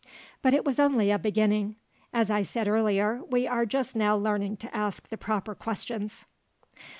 But it was only a beginning; as I said earlier, we are just now learning to ask the proper questions.